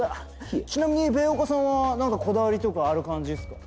ちなみにベーオカさんは何かこだわりとかある感じっすか？